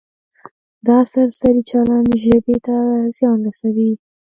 دا سرسري چلند ژبې ته زیان رسوي.